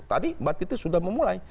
tadi mbak titi sudah memulai